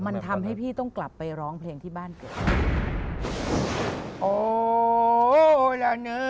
มันทำให้พี่ต้องกลับไปร้องเพลงที่บ้านเกิด